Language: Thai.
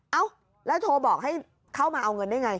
เอ้าแล้วโทรบอกให้เข้ามาเอาเงินได้ไง